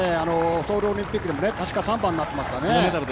ソウルオリンピックでも３番になってますからね。